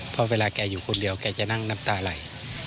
เพราะเวลาแกอยู่คนเดียวแกจะนั่งน้ำตาไหล